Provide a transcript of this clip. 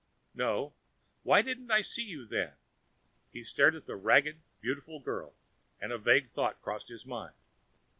"No. Why didn't I see you, then?" He stared at the ragged, beautiful girl, and a vague thought crossed his mind.